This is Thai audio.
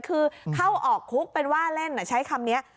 คือเข้าออกคุกเป็นว่าเล่นใช้คำนี้